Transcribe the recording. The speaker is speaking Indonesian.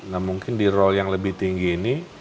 nah mungkin di roll yang lebih tinggi ini